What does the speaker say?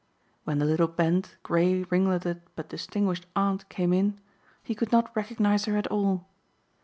When the little bent, gray ringletted but distinguished aunt came in, he could not recognize her at all.